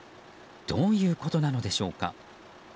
どういうことなのでしょうか。